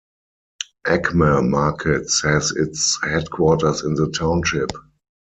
Acme Markets has its headquarters in the township.